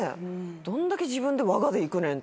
どんだけ自分でわがで行くねんって。